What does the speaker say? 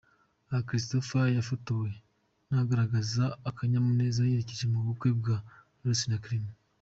Aha, Christopher yafotowe nagaragaza akanyamuneza yerekeje mu bukwe bwa Knowless na Clement.